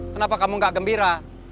kenapa kamu gak gembira